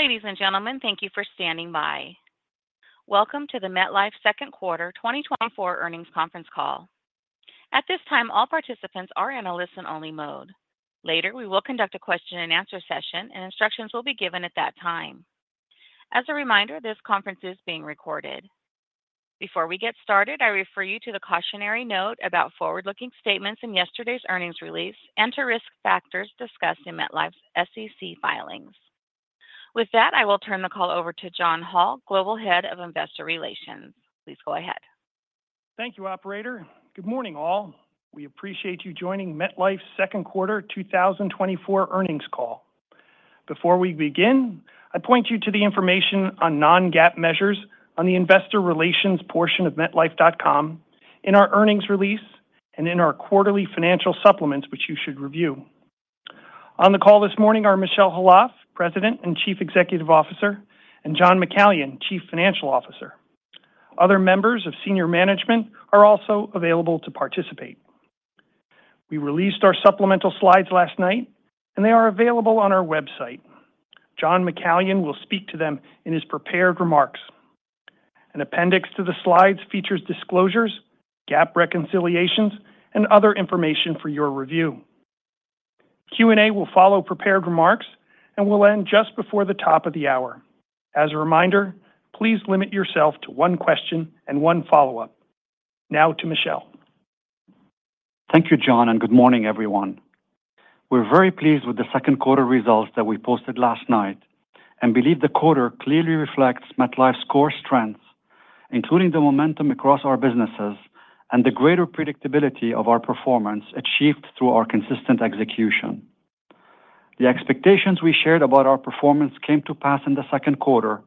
Ladies and gentlemen, thank you for standing by. Welcome to the MetLife Second Quarter 2024 Earnings Conference Call. At this time, all participants are in a listen-only mode. Later, we will conduct a question-and-answer session, and instructions will be given at that time. As a reminder, this conference is being recorded. Before we get started, I refer you to the cautionary note about forward-looking statements in yesterday's earnings release and to risk factors discussed in MetLife's SEC filings. With that, I will turn the call over to John Hall, Global Head of Investor Relations. Please go ahead. Thank you, operator. Good morning, all. We appreciate you joining MetLife's second quarter 2024 earnings call. Before we begin, I point you to the information on Non-GAAP measures on the investor relations portion of metlife.com, in our earnings release, and in our quarterly financial supplements, which you should review. On the call this morning are Michel Khalaf, President and Chief Executive Officer, and John McCallion, Chief Financial Officer. Other members of senior management are also available to participate. We released our supplemental slides last night, and they are available on our website. John McCallion will speak to them in his prepared remarks. An appendix to the slides features disclosures, GAAP reconciliations, and other information for your review. Q&A will follow prepared remarks and will end just before the top of the hour. As a reminder, please limit yourself to one question and one follow-up. Now to Michel. Thank you, John, and good morning, everyone. We're very pleased with the second quarter results that we posted last night and believe the quarter clearly reflects MetLife's core strengths, including the momentum across our businesses and the greater predictability of our performance achieved through our consistent execution. The expectations we shared about our performance came to pass in the second quarter,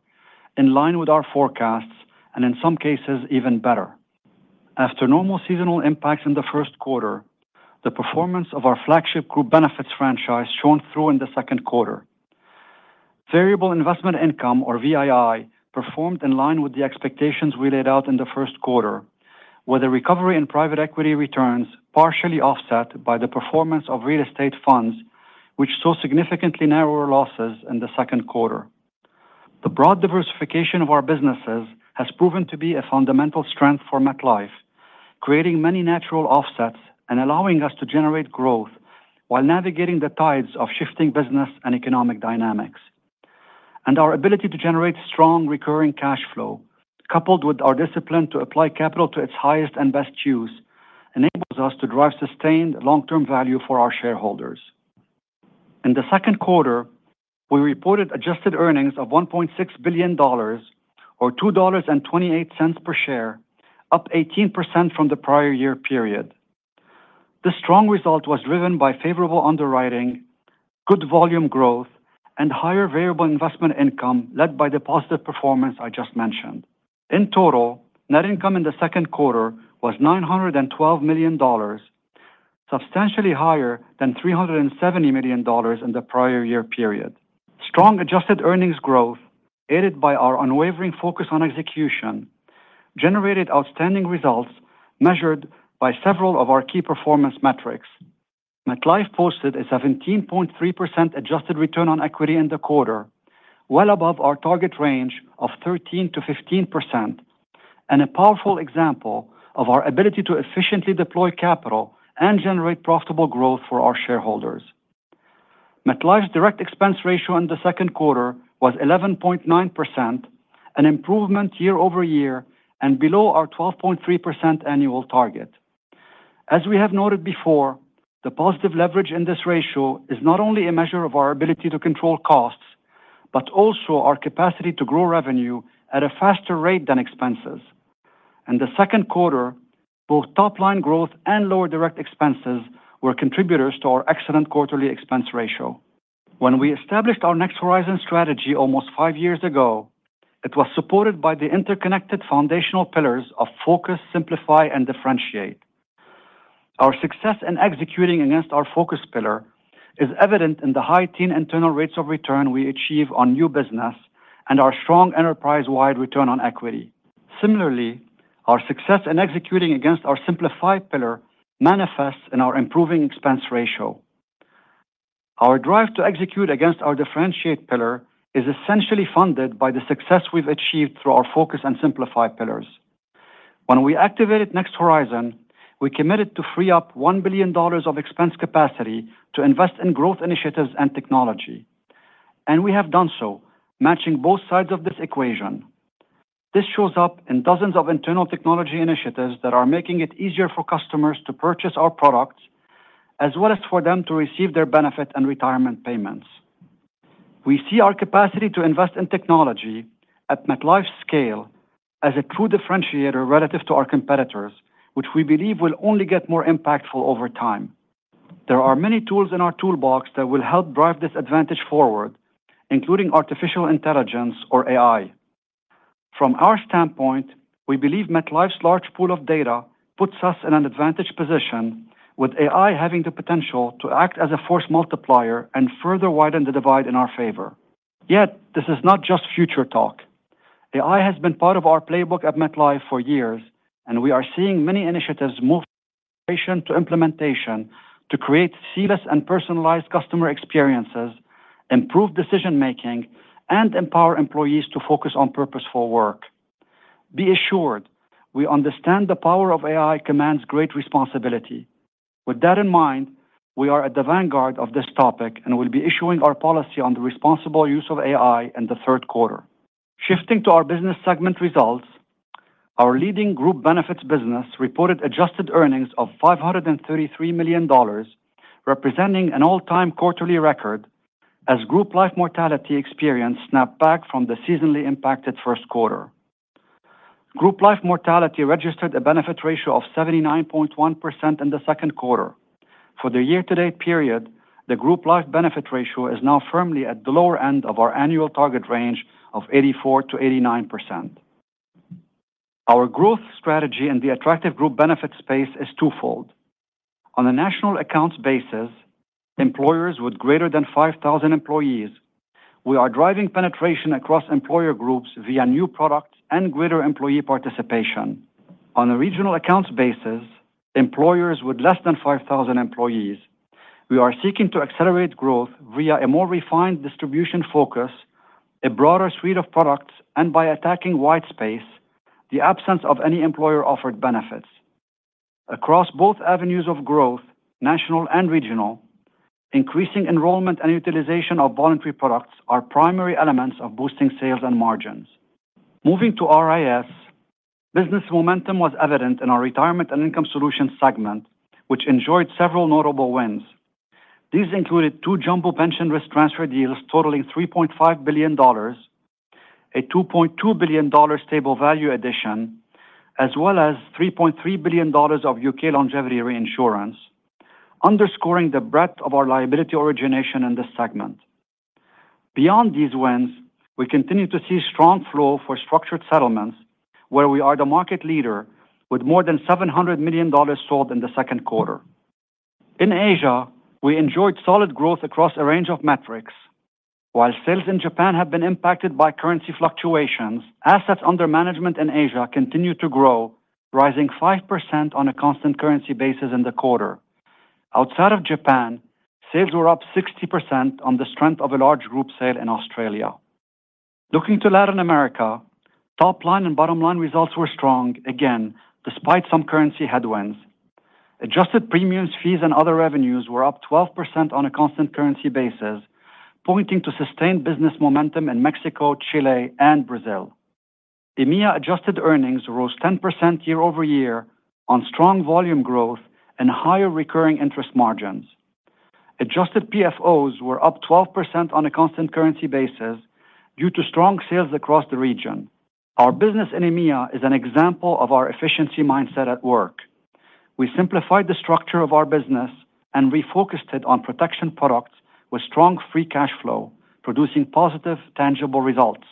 in line with our forecasts and in some cases, even better. After normal seasonal impacts in the first quarter, the performance of our flagship Group Benefits franchise shone through in the second quarter. Variable Investment Income, or VII, performed in line with the expectations we laid out in the first quarter, with a recovery in private equity returns partially offset by the performance of real estate funds, which saw significantly narrower losses in the second quarter. The broad diversification of our businesses has proven to be a fundamental strength for MetLife, creating many natural offsets and allowing us to generate growth while navigating the tides of shifting business and economic dynamics. Our ability to generate strong recurring cash flow, coupled with our discipline to apply capital to its highest and best use, enables us to drive sustained long-term value for our shareholders. In the second quarter, we reported adjusted earnings of $1.6 billion or $2.28 per share, up 18% from the prior year period. This strong result was driven by favorable underwriting, good volume growth, and higher Variable Investment Income, led by the positive performance I just mentioned. In total, net income in the second quarter was $912 million, substantially higher than $370 million in the prior year period. Strong adjusted earnings growth, aided by our unwavering focus on execution, generated outstanding results measured by several of our key performance metrics. MetLife posted a 17.3% adjusted return on equity in the quarter, well above our target range of 13%-15%, and a powerful example of our ability to efficiently deploy capital and generate profitable growth for our shareholders. MetLife's Direct Expense Ratio in the second quarter was 11.9%, an improvement year-over-year and below our 12.3% annual target. As we have noted before, the positive leverage in this ratio is not only a measure of our ability to control costs, but also our capacity to grow revenue at a faster rate than expenses. In the second quarter, both top-line growth and lower direct expenses were contributors to our excellent quarterly expense ratio. When we established our Next Horizon strategy almost five years ago, it was supported by the interconnected foundational pillars of Focus, Simplify, and Differentiate. Our success in executing against our focus pillar is evident in the high teen internal rates of return we achieve on new business and our strong enterprise-wide return on equity. Similarly, our success in executing against our Simplify pillar manifests in our improving expense ratio. Our drive to execute against our differentiate pillar is essentially funded by the success we've achieved through our Focus and Simplify pillars. When we activated Next Horizon, we committed to free up $1 billion of expense capacity to invest in growth initiatives and technology, and we have done so, matching both sides of this equation. This shows up in dozens of internal technology initiatives that are making it easier for customers to purchase our products, as well as for them to receive their benefit and retirement payments. We see our capacity to invest in technology at MetLife's scale as a true differentiator relative to our competitors, which we believe will only get more impactful over time. There are many tools in our toolbox that will help drive this advantage forward, including artificial intelligence or AI. From our standpoint, we believe MetLife's large pool of data puts us in an advantage position, with AI having the potential to act as a force multiplier and further widen the divide in our favor. Yet, this is not just future talk. AI has been part of our playbook at MetLife for years, and we are seeing many initiatives move from creation to implementation to create seamless and personalized customer experiences, improve decision-making, and empower employees to focus on purposeful work. Be assured, we understand the power of AI commands great responsibility. With that in mind, we are at the vanguard of this topic and will be issuing our policy on the responsible use of AI in the third quarter. Shifting to our business segment results, our leading Group Benefits business reported adjusted earnings of $533 million, representing an all-time quarterly record, as Group Life mortality experience snapped back from the seasonally impacted first quarter. Group Life mortality registered a benefit ratio of 79.1% in the second quarter. For the year-to-date period, the Group Life benefit ratio is now firmly at the lower end of our annual target range of 84%-89%. Our growth strategy in the attractive Group Benefits space is twofold. On a national accounts basis, employers with greater than 5,000 employees, we are driving penetration across employer groups via new products and greater employee participation. On a regional accounts basis, employers with less than 5,000 employees, we are seeking to accelerate growth via a more refined distribution focus, a broader suite of products, and by attacking white space, the absence of any employer-offered benefits. Across both avenues of growth, national and regional, increasing enrollment and utilization of voluntary products are primary elements of boosting sales and margins. Moving to RIS, business momentum was evident in our Retirement and Income Solutions segment, which enjoyed several notable wins. These included two jumbo Pension Risk Transfer deals totaling $3.5 billion, a $2.2 billion Stable Value addition, as well as $3.3 billion of UK Longevity Reinsurance, underscoring the breadth of our liability origination in this segment. Beyond these wins, we continue to see strong flow for Structured Settlements, where we are the market leader with more than $700 million sold in the second quarter. In Asia, we enjoyed solid growth across a range of metrics. While sales in Japan have been impacted by currency fluctuations, assets under management in Asia continued to grow, rising 5% on a constant currency basis in the quarter. Outside of Japan, sales were up 60% on the strength of a large group sale in Australia. Looking to Latin America, top line and bottom-line results were strong, again, despite some currency headwinds. Adjusted premiums, fees, and other revenues were up 12% on a constant currency basis, pointing to sustained business momentum in Mexico, Chile, and Brazil. EMEA adjusted earnings rose 10% year-over-year on strong volume growth and higher recurring interest margins. Adjusted PFOs were up 12% on a constant currency basis due to strong sales across the region. Our business in EMEA is an example of our efficiency mindset at work. We simplified the structure of our business and refocused it on protection products with strong free cash flow, producing positive, tangible results.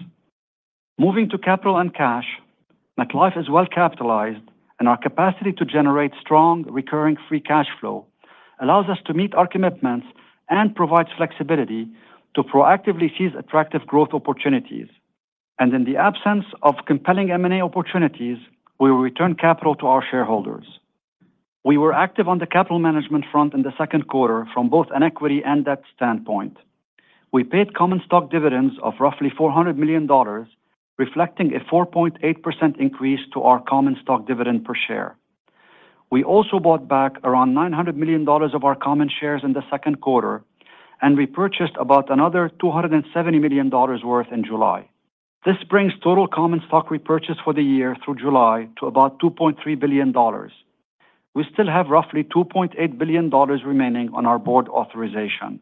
Moving to capital and cash, MetLife is well capitalized, and our capacity to generate strong, recurring free cash flow allows us to meet our commitments and provides flexibility to proactively seize attractive growth opportunities. In the absence of compelling M&A opportunities, we will return capital to our shareholders. We were active on the capital management front in the second quarter from both an equity and debt standpoint. We paid common stock dividends of roughly $400 million, reflecting a 4.8% increase to our common stock dividend per share. We also bought back around $900 million of our common shares in the second quarter, and we purchased about another $270 million worth in July. This brings total common stock repurchase for the year through July to about $2.3 billion. We still have roughly $2.8 billion remaining on our Board Authorization.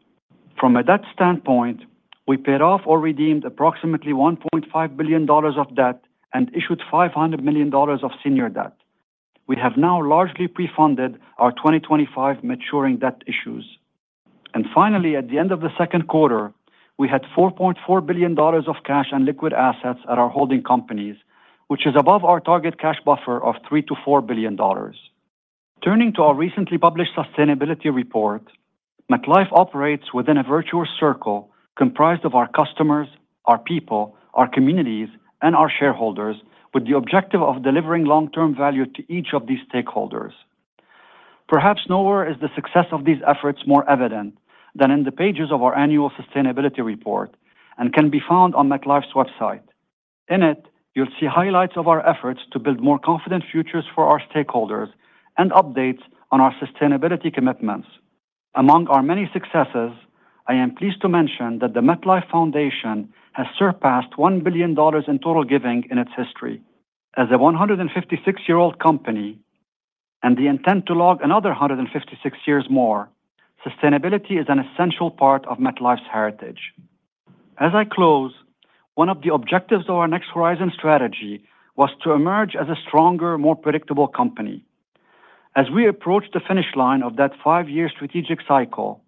From a debt standpoint, we paid off or redeemed approximately $1.5 billion of debt and issued $500 million of senior debt. We have now largely pre-funded our 2025 maturing debt issues. And finally, at the end of the second quarter, we had $4.4 billion of cash and liquid assets at our holding companies, which is above our target cash buffer of $3 billion-$4 billion. Turning to our recently published sustainability report, MetLife operates within a virtuous circle comprised of our customers, our people, our communities, and our shareholders, with the objective of delivering long-term value to each of these stakeholders. Perhaps nowhere is the success of these efforts more evident than in the pages of our annual sustainability report, and can be found on MetLife's website. In it, you'll see highlights of our efforts to build more confident futures for our stakeholders and updates on our sustainability commitments. Among our many successes, I am pleased to mention that the MetLife Foundation has surpassed $1 billion in total giving in its history. As a 156-year-old company, and the intent to log another 156 years more, sustainability is an essential part of MetLife's heritage. As I close, one of the objectives of our Next Horizon strategy was to emerge as a stronger, more predictable company. As we approach the finish line of that five-year strategic cycle,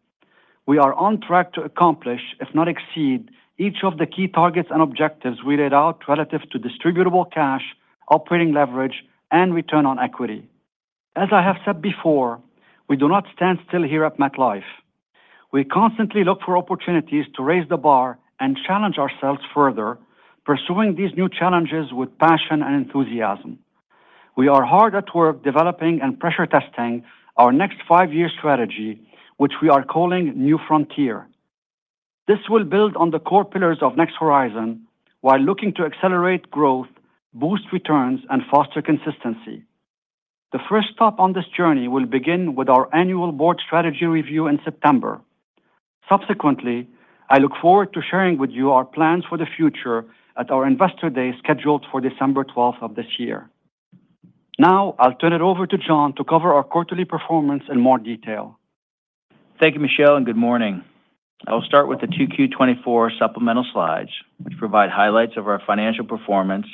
we are on track to accomplish, if not exceed, each of the key targets and objectives we laid out relative to distributable cash, operating leverage, and return on equity. As I have said before, we do not stand still here at MetLife.... We constantly look for opportunities to raise the bar and challenge ourselves further, pursuing these new challenges with passion and enthusiasm. We are hard at work developing and pressure testing our next five-year strategy, which we are calling New Frontier. This will build on the core pillars of Next Horizon while looking to accelerate growth, boost returns, and foster consistency. The first stop on this journey will begin with our annual Board strategy review in September. Subsequently, I look forward to sharing with you our plans for the future at our Investor Day, scheduled for December 12th of this year. Now, I'll turn it over to John to cover our quarterly performance in more detail. Thank you, Michel, and good morning. I will start with the 2Q 2024 supplemental slides, which provide highlights of our financial performance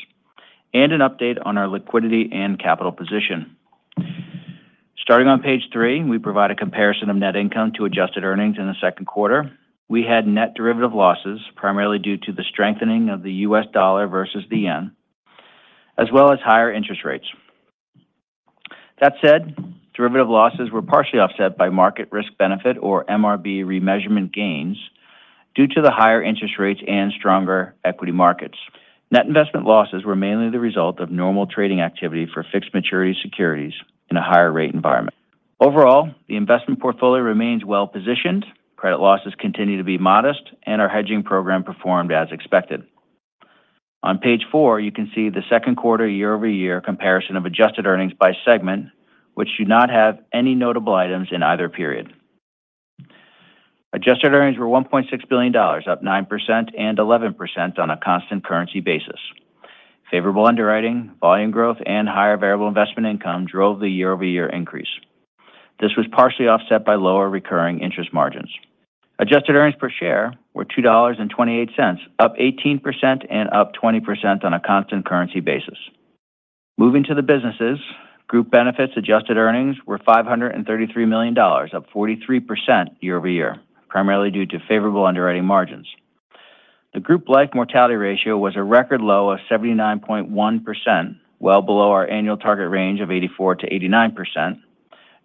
and an update on our liquidity and capital position. Starting on Page 3, we provide a comparison of net income to adjusted earnings in the second quarter. We had net derivative losses, primarily due to the strengthening of the U.S. dollar versus the yen, as well as higher interest rates. That said, derivative losses were partially offset by Market Risk Benefit or MRB remeasurement gains due to the higher interest rates and stronger equity markets. Net investment losses were mainly the result of normal trading activity for fixed maturity securities in a higher rate environment. Overall, the investment portfolio remains well-positioned. Credit losses continue to be modest, and our hedging program performed as expected. On Page 4, you can see the second quarter year-over-year comparison of adjusted earnings by segment, which do not have any notable items in either period. Adjusted earnings were $1.6 billion, up 9% and 11% on a constant currency basis. Favorable underwriting, volume growth, and higher Variable Investment Income drove the year-over-year increase. This was partially offset by lower recurring interest margins. Adjusted earnings per share were $2.28, up 18% and up 20% on a constant currency basis. Moving to the businesses, Group Benefits adjusted earnings were $533 million, up 43% year-over-year, primarily due to favorable underwriting margins. The Group Life mortality ratio was a record low of 79.1%, well below our annual target range of 84%-89%,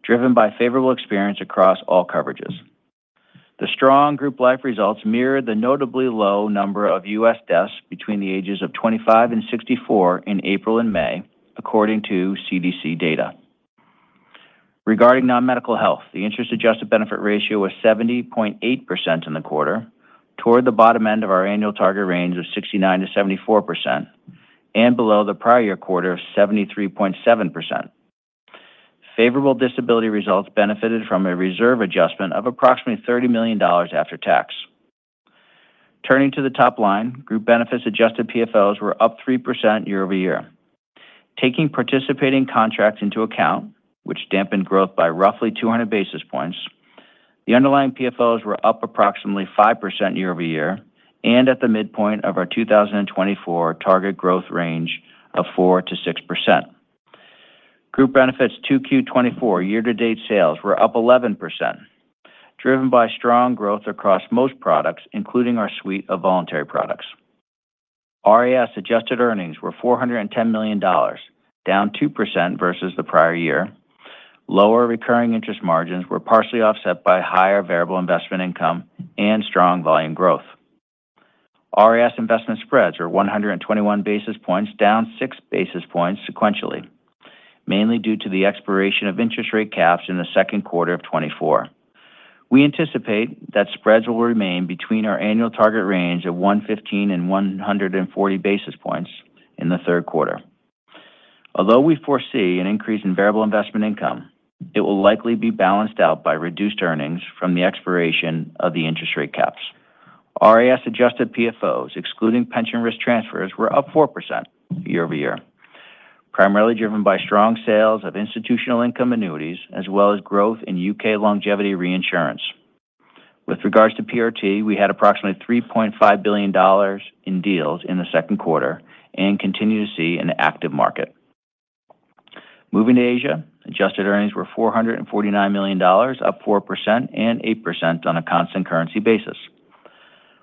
driven by favorable experience across all coverages. The strong Group Life results mirrored the notably low number of U.S. deaths between the ages of 25 and 64 in April and May, according to CDC data. Regarding Non-Medical Health, the interest-adjusted benefit ratio was 70.8% in the quarter, toward the bottom end of our annual target range of 69%-74% and below the prior year quarter of 73.7%. Favorable disability results benefited from a reserve adjustment of approximately $30 million after tax. Turning to the top line, Group Benefits adjusted PFOs were up 3% year-over-year. Taking participating contracts into account, which dampened growth by roughly 200 basis points, the underlying PFOs were up approximately 5% year-over-year and at the midpoint of our 2024 target growth range of 4%-6%. Group Benefits 2Q 2024 year-to-date sales were up 11%, driven by strong growth across most products, including our suite of voluntary products. RIS adjusted earnings were $410 million, down 2% versus the prior year. Lower recurring interest margins were partially offset by higher Variable Investment Income and strong volume growth. RIS investment spreads were 121 basis points, down 6 basis points sequentially, mainly due to the expiration of interest rate caps in the second quarter of 2024. We anticipate that spreads will remain between our annual target range of 115 basis points and 140 basis points in the third quarter. Although we foresee an increase in Variable Investment Income, it will likely be balanced out by reduced earnings from the expiration of the interest rate caps. RIS adjusted PFOs, excluding pension risk transfers, were up 4% year-over-year, primarily driven by strong sales of Institutional Income Annuities, as well as growth in UK Longevity Reinsurance. With regards to PRT, we had approximately $3.5 billion in deals in the second quarter and continue to see an active market. Moving to Asia, adjusted earnings were $449 million, up 4% and 8% on a constant currency basis,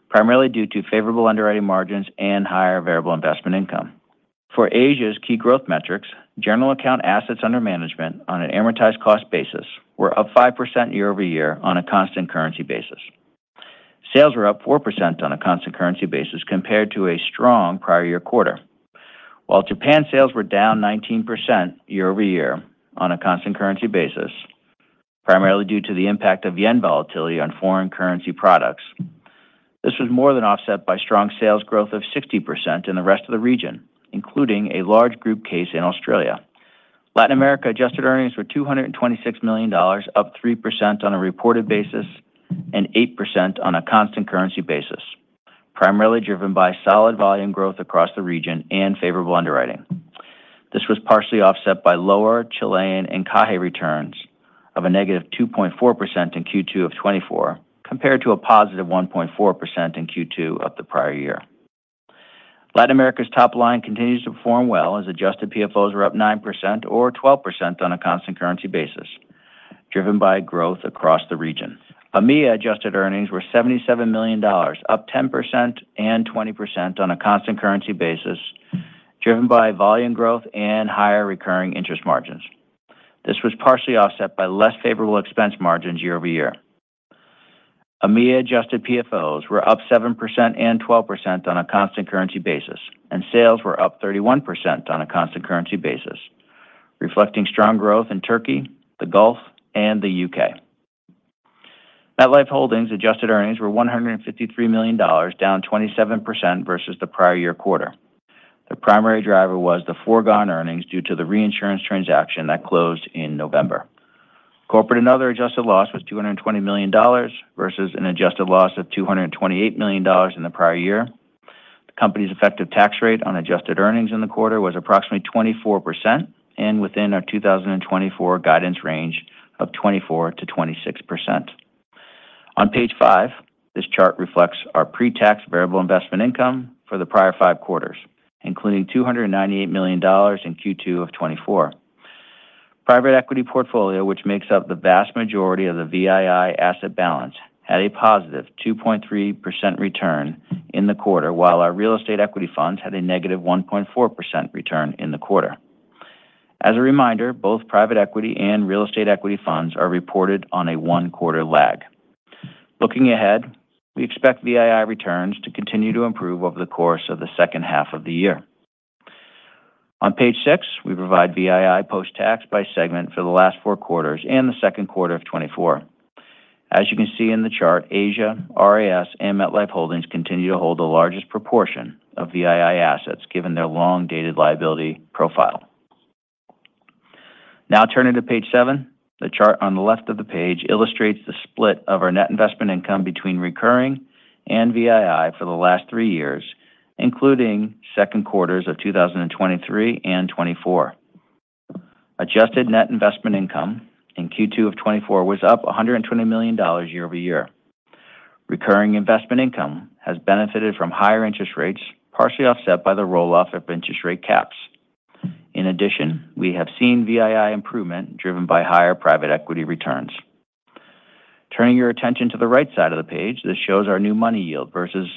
primarily due to favorable underwriting margins and higher Variable Investment Income. For Asia's key growth metrics, general account assets under management on an amortized cost basis were up 5% year-over-year on a constant currency basis. Sales were up 4% on a constant currency basis compared to a strong prior year quarter, while Japan sales were down 19% year-over-year on a constant currency basis, primarily due to the impact of yen volatility on foreign currency products. This was more than offset by strong sales growth of 60% in the rest of the region, including a large group case in Australia. Latin America adjusted earnings were $226 million, up 3% on a reported basis and 8% on a constant currency basis, primarily driven by solid volume growth across the region and favorable underwriting. This was partially offset by lower Chilean Encaje returns of -2.4% in Q2 of 2024, compared to +1.4% in Q2 of the prior year. Latin America's top line continues to perform well, as adjusted PFOs were up 9% or 12% on a constant currency basis, driven by growth across the region. EMEA adjusted earnings were $77 million, up 10% and 20% on a constant currency basis, driven by volume growth and higher recurring interest margins. This was partially offset by less favorable expense margins year-over-year. EMEA adjusted PFOs were up 7% and 12% on a constant currency basis, and sales were up 31% on a constant currency basis, reflecting strong growth in Turkey, the Gulf, and the UK. MetLife Holdings adjusted earnings were $153 million, down 27% versus the prior year quarter. The primary driver was the foregone earnings due to the reinsurance transaction that closed in November. Corporate and Other adjusted loss was $220 million versus an adjusted loss of $228 million in the prior year. The company's effective tax rate on adjusted earnings in the quarter was approximately 24% and within our 2024 guidance range of 24%-26%. On Page 5, this chart reflects our pre-tax Variable Investment Income for the prior five quarters, including $298 million in Q2 of 2024. Private equity portfolio, which makes up the vast majority of the VII asset balance, had a +2.3% return in the quarter, while our real estate equity funds had a -1.4% return in the quarter. As a reminder, both private equity and real estate equity funds are reported on a one-quarter lag. Looking ahead, we expect VII returns to continue to improve over the course of the second half of the year. On Page 6, we provide VII post-tax by segment for the last four quarters and the second quarter of 2024. As you can see in the chart, Asia, RIS, and MetLife Holdings continue to hold the largest proportion of VII assets, given their long-dated liability profile. Now turning to Page 7. The chart on the left of the page illustrates the split of our net investment income between recurring and VII for the last three years, including second quarters of 2023 and 2024. Adjusted net investment income in Q2 of 2024 was up $120 million year-over-year. Recurring investment income has benefited from higher interest rates, partially offset by the roll-off of interest rate caps. In addition, we have seen VII improvement driven by higher private equity returns. Turning your attention to the right side of the page, this shows our new money yield versus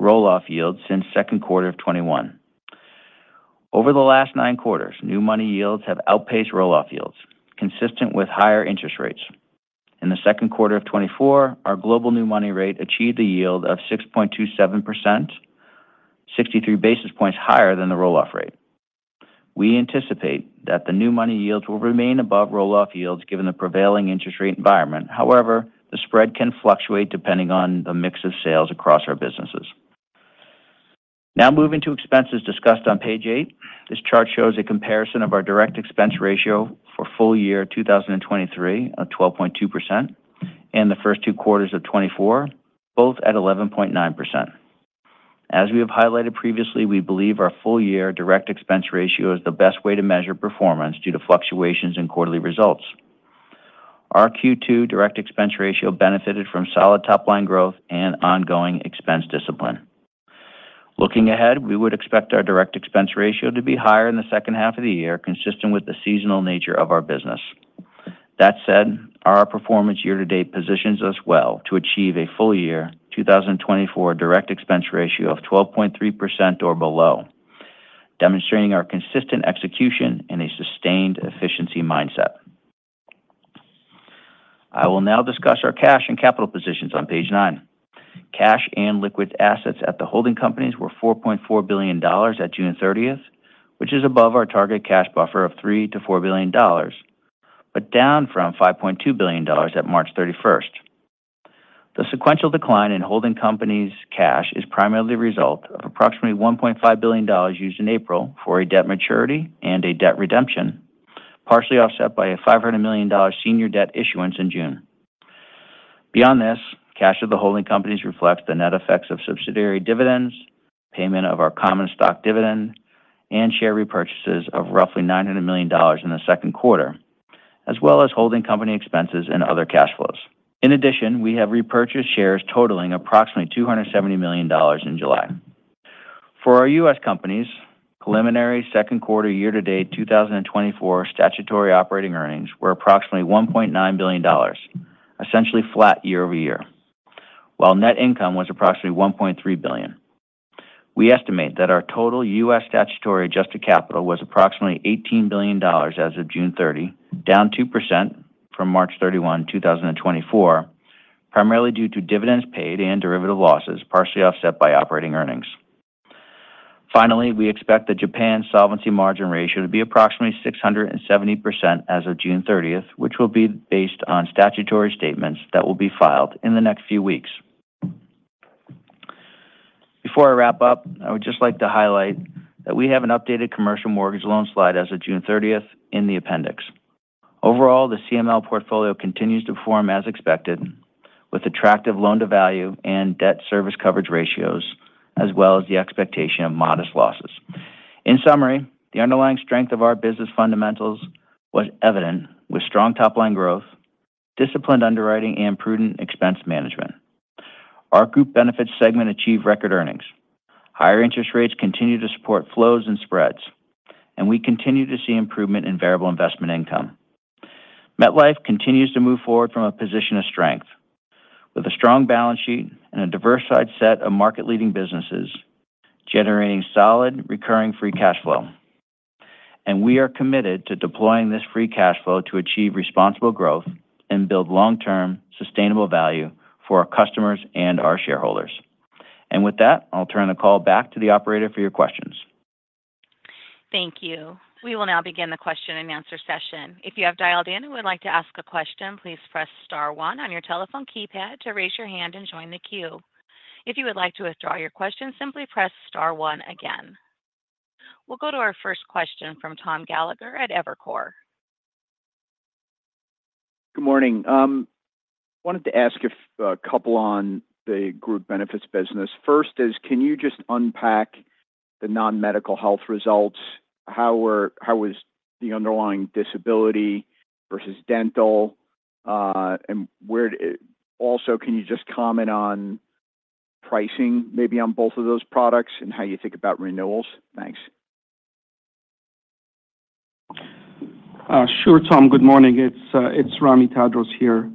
roll-off yield since second quarter of 2021. Over the last nine quarters, new money yields have outpaced roll-off yields, consistent with higher interest rates. In the second quarter of 2024, our global new money rate achieved a yield of 6.27%, 63 basis points higher than the roll-off rate. We anticipate that the new money yields will remain above roll-off yields, given the prevailing interest rate environment. However, the spread can fluctuate depending on the mix of sales across our businesses. Now moving to expenses discussed on Page 8. This chart shows a comparison of our Direct Expense Ratio for full year 2023, of 12.2%, and the first two quarters of 2024, both at 11.9%. As we have highlighted previously, we believe our full year Direct Expense Ratio is the best way to measure performance due to fluctuations in quarterly results. Our Q2 Direct Expense Ratio benefited from solid top-line growth and ongoing expense discipline. Looking ahead, we would expect our Direct Expense Ratio to be higher in the second half of the year, consistent with the seasonal nature of our business. That said, our performance year to date positions us well to achieve a full year 2024 Direct Expense Ratio of 12.3% or below, demonstrating our consistent execution and a sustained efficiency mindset. I will now discuss our cash and capital positions on Page 9. Cash and liquid assets at the holding companies were $4.4 billion at June 30th, which is above our target cash buffer of $3 billion-$4 billion, but down from $5.2 billion at March 31. The sequential decline in holding company's cash is primarily a result of approximately $1.5 billion used in April for a debt maturity and a debt redemption, partially offset by a $500 million senior debt issuance in June. Beyond this, cash of the holding companies reflects the net effects of subsidiary dividends, payment of our common stock dividend, and share repurchases of roughly $900 million in the second quarter, as well as holding company expenses and other cash flows. In addition, we have repurchased shares totaling approximately $270 million in July. For our U.S. companies, preliminary second quarter year-to-date 2024 statutory operating earnings were approximately $1.9 billion, essentially flat year-over-year, while net income was approximately $1.3 billion. We estimate that our total U.S. statutory adjusted capital was approximately $18 billion as of June 30, down 2% from March 31, 2024, primarily due to dividends paid and derivative losses, partially offset by operating earnings. Finally, we expect the Japan Solvency Margin Ratio to be approximately 670% as of June 30th, which will be based on statutory statements that will be filed in the next few weeks. Before I wrap up, I would just like to highlight that we have an updated commercial mortgage loan slide as of June thirtieth in the appendix. Overall, the CML portfolio continues to perform as expected, with attractive loan-to-value and debt service coverage ratios, as well as the expectation of modest losses. In summary, the underlying strength of our business fundamentals was evident, with strong top-line growth, disciplined underwriting, and prudent expense management. Our Group Benefits segment achieved record earnings. Higher interest rates continue to support flows and spreads, and we continue to see improvement in Variable Investment Income.... MetLife continues to move forward from a position of strength, with a strong balance sheet and a diversified set of market-leading businesses, generating solid recurring free cash flow. We are committed to deploying this free cash flow to achieve responsible growth and build long-term sustainable value for our customers and our shareholders. With that, I'll turn the call back to the operator for your questions. Thank you. We will now begin the question-and-answer session. If you have dialed in and would like to ask a question, please press star one on your telephone keypad to raise your hand and join the queue. If you would like to withdraw your question, simply press star one again. We'll go to our first question from Tom Gallagher at Evercore. Good morning. Wanted to ask a couple on the Group Benefits business. First is, can you just unpack the Non-Medical Health results? How was the underlying disability versus dental, and where? Also, can you just comment on pricing, maybe on both of those products, and how you think about renewals? Thanks. Sure, Tom. Good morning. It's Ramy Tadros here.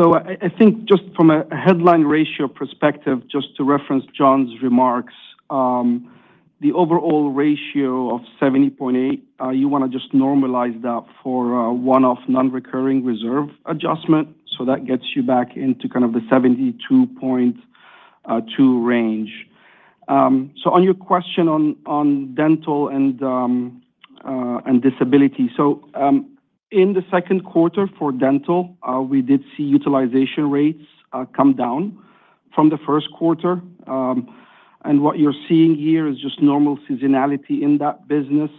So I think just from a headline ratio perspective, just to reference John's remarks, the overall ratio of 70.8, you want to just normalize that for one-off, non-recurring reserve adjustment. So that gets you back into kind of the 72.2 range. So on your question on dental and disability. So in the second quarter for dental, we did see utilization rates come down from the first quarter. And what you're seeing here is just normal seasonality in that business,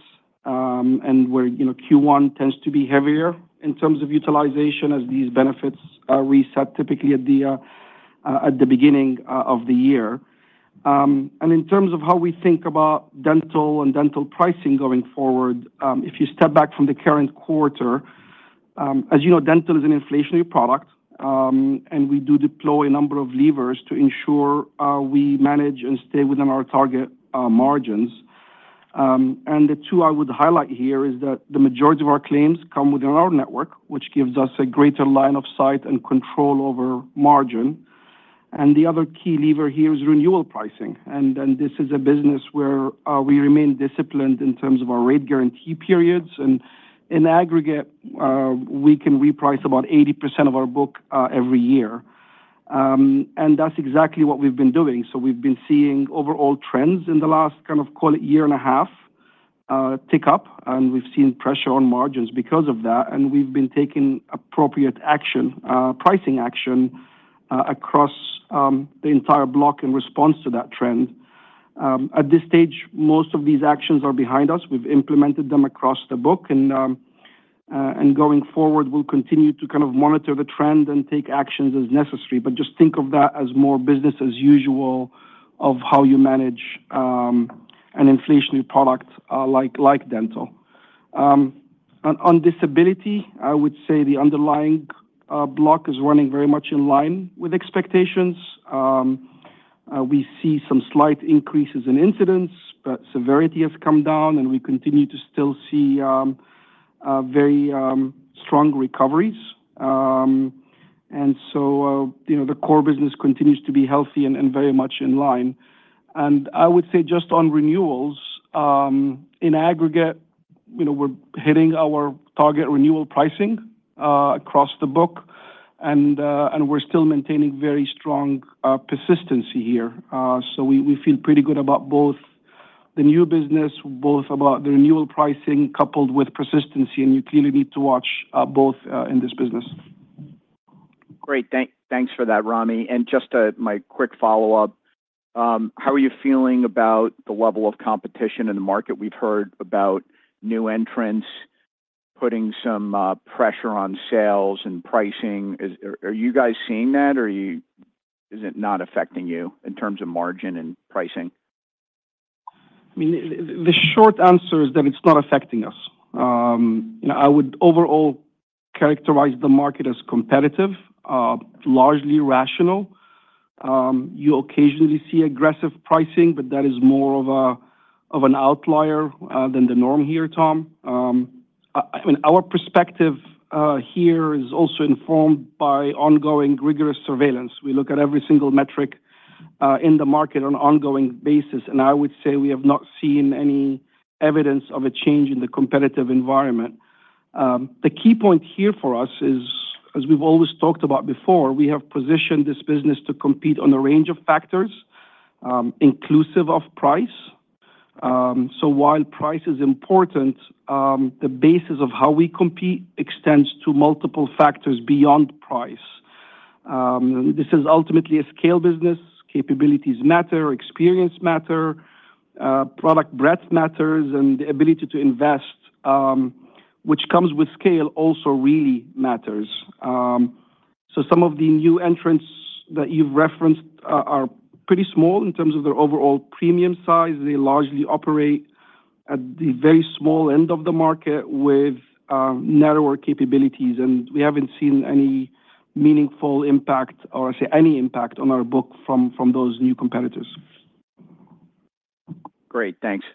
and where, you know, Q1 tends to be heavier in terms of utilization, as these benefits are reset typically at the beginning of the year. And in terms of how we think about dental and dental pricing going forward, as you know, dental is an inflationary product, and we do deploy a number of levers to ensure we manage and stay within our target margins. And the two I would highlight here is that the majority of our claims come within our network, which gives us a greater line of sight and control over margin. And the other key lever here is renewal pricing, and this is a business where we remain disciplined in terms of our rate guarantee periods. And in aggregate, we can reprice about 80% of our book every year. And that's exactly what we've been doing. So we've been seeing overall trends in the last kind of, call it, year and a half, tick up, and we've seen pressure on margins because of that, and we've been taking appropriate action, pricing action, across, the entire block in response to that trend. At this stage, most of these actions are behind us. We've implemented them across the book, and, and going forward, we'll continue to kind of monitor the trend and take actions as necessary. But just think of that as more business as usual of how you manage, an inflationary product, like, like dental. On, on disability, I would say the underlying, block is running very much in line with expectations. We see some slight increases in incidents, but severity has come down, and we continue to still see very strong recoveries. And so, you know, the core business continues to be healthy and very much in line. And I would say just on renewals, in aggregate, you know, we're hitting our target renewal pricing across the book, and we're still maintaining very strong persistency here. So we feel pretty good about both the new business, both about the renewal pricing coupled with persistency, and you clearly need to watch both in this business. Great. Thanks for that, Ramy. And just my quick follow-up, how are you feeling about the level of competition in the market? We've heard about new entrants putting some pressure on sales and pricing. Are you guys seeing that, or is it not affecting you in terms of margin and pricing? I mean, the short answer is that it's not affecting us. You know, I would overall characterize the market as competitive, largely rational. You occasionally see aggressive pricing, but that is more of an outlier than the norm here, Tom. I mean, our perspective here is also informed by ongoing rigorous surveillance. We look at every single metric in the market on an ongoing basis, and I would say we have not seen any evidence of a change in the competitive environment. The key point here for us is, as we've always talked about before, we have positioned this business to compete on a range of factors, inclusive of price. So while price is important, the basis of how we compete extends to multiple factors beyond price. This is ultimately a scale business: capabilities matter, experience matter, product breadth matters, and the ability to invest, which comes with scale, also really matters. So some of the new entrants that you've referenced are, are pretty small in terms of their overall premium size. They largely operate at the very small end of the market with, narrower capabilities, and we haven't seen any meaningful impact or, say, any impact on our book from, from those new competitors.... Great, thanks.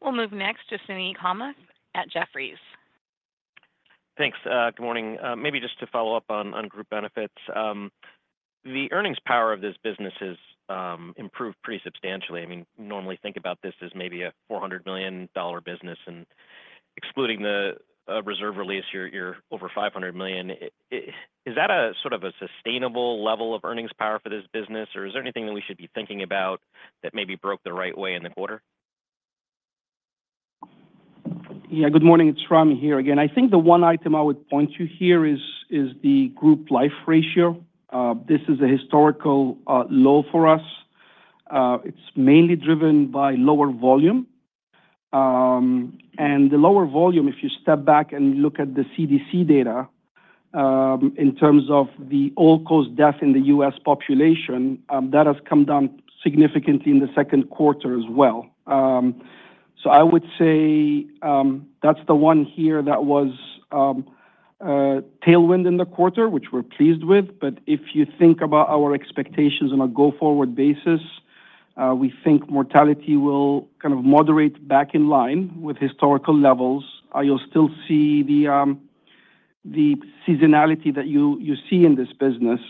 We'll move next to Suneet Kamath at Jefferies. Thanks. Good morning. Maybe just to follow up on Group Benefits. The earnings power of this business has improved pretty substantially. I mean, normally think about this as maybe a $400 million business, and excluding the reserve release, you're over $500 million. Is that a sort of a sustainable level of earnings power for this business, or is there anything that we should be thinking about that maybe broke the right way in the quarter? Yeah, good morning, it's Ramy here again. I think the one item I would point to here is the Group Life ratio. This is a historical low for us. It's mainly driven by lower volume. And the lower volume, if you step back and look at the CDC data, in terms of the all-cause death in the U.S. population, that has come down significantly in the second quarter as well. So I would say that's the one here that was a tailwind in the quarter, which we're pleased with. But if you think about our expectations on a go-forward basis, we think mortality will kind of moderate back in line with historical levels. You'll still see the seasonality that you see in this business.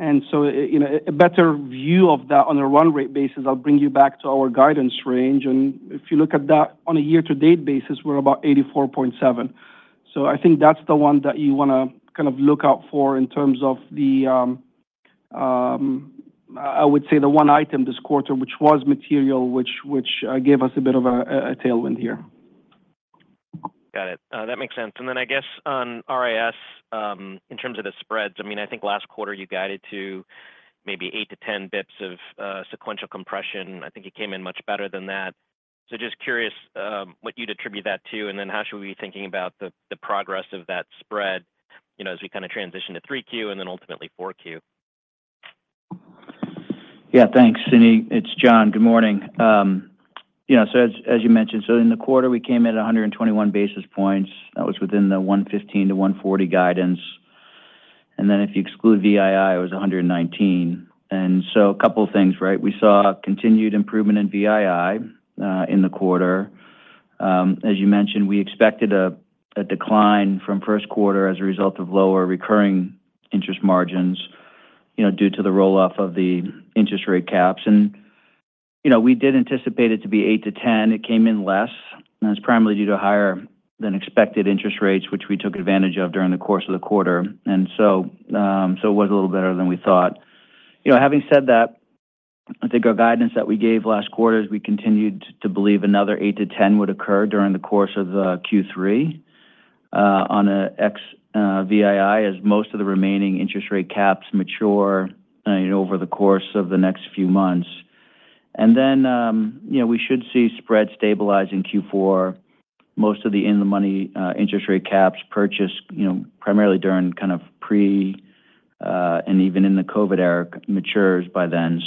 And so, you know, a better view of that on a run rate basis, I'll bring you back to our guidance range. And if you look at that on a year-to-date basis, we're about 84.7. So I think that's the one that you want to kind of look out for in terms of the, I would say, the one item this quarter, which was material, which gave us a bit of a tailwind here. Got it. That makes sense. And then I guess on RIS, in terms of the spreads, I mean, I think last quarter you guided to maybe 8 bits-10 bits of sequential compression. I think it came in much better than that. So just curious, what you'd attribute that to, and then how should we be thinking about the progress of that spread, you know, as we kind of transition to 3Q and then ultimately 4Q? Yeah, thanks, Suneet. It's John. Good morning. You know, so as, as you mentioned, so in the quarter, we came at 121 basis points. That was within the 115-140 guidance. And then if you exclude VII, it was 119. And so a couple of things, right? We saw continued improvement in VII in the quarter. As you mentioned, we expected a decline from first quarter as a result of lower recurring interest margins, you know, due to the roll-off of the interest rate caps. And, you know, we did anticipate it to be 8-10. It came in less, and it's primarily due to higher than expected interest rates, which we took advantage of during the course of the quarter. And so, so it was a little better than we thought. You know, having said that, I think our guidance that we gave last quarter is we continued to believe another 8-10 would occur during the course of the Q3, on a ex-VII, as most of the remaining interest rate caps mature, over the course of the next few months. Then, you know, we should see spread stabilize in Q4. Most of the in-the-money interest rate caps purchased, you know, primarily during kind of pre and even in the COVID era, matures by then.